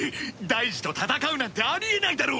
大二と戦うなんてあり得ないだろ！